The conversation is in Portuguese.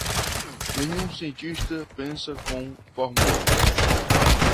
Nenhum cientista pensa com fórmulas.